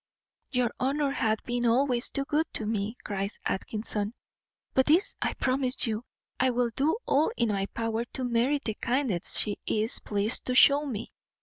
"Your honour hath been always too good to me," cries Atkinson; "but this I promise you, I will do all in my power to merit the kindness she is pleased to shew me.